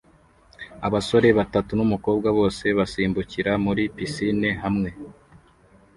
Abasore batatu numukobwa bose basimbukira muri pisine hamwe